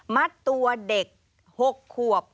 มัดตัวเด็ก๖ขวบ